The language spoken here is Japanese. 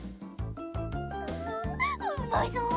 うぅうまそう！